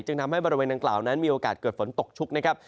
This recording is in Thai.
ทำให้บริเวณดังกล่าวนั้นมีโอกาสเกิดฝนตกชุกนะครับ